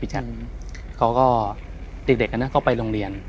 เด็กก็ไปโรงเรียน